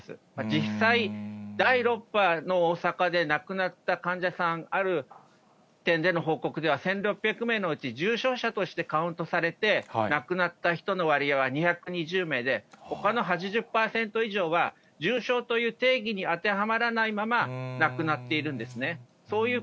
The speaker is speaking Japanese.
実際、第６波の大阪で、亡くなった患者さん、ある点での報告では、１６００名のうち、重症者としてカウントされて、亡くなった人の割合は２２０名で、ほかの８０％以上は、重症という定義に当てはまらないまま、亡くなっているんですね。